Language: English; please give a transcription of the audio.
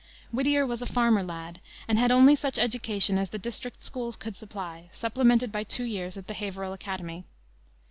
Whittier was a farmer lad, and had only such education as the district school could supply, supplemented by two years at the Haverhill Academy.